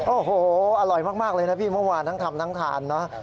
โอ้โหอร่อยมากเลยนะพี่เมื่อวานทั้งทำทั้งทานเนอะ